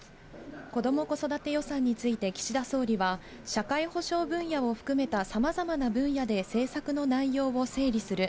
こども・子育て予算については、岸田総理は、社会保障分野を含めたさまざまな分野で政策の内容を整理する。